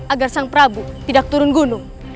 agar sang prabu tidak turun gunung